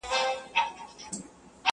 • سپی پر خپل مالک د حد له پاسه ګران ؤ,